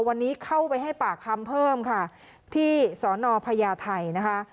วันนี้เข้าไปให้ปากคำเพิ่มค่ะที่สนพญาไทยนะคะ